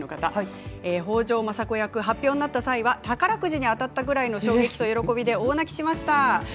北条政子役発表になった際は宝くじに当たったくらいの衝撃と喜びで大泣きしました。